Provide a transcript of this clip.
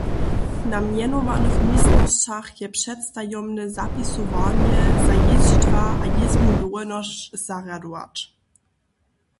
Na mjenowanych městnosćach je předstajomne zapisowarnje za jězdźidła a jězbnu dowolnosć zarjadować.